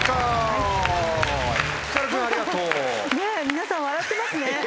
皆さん笑ってますね。